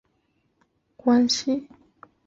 新加坡开始改善与统一后的越南政府的关系。